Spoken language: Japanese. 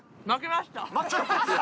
負けました？